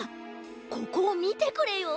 ここをみてくれよ。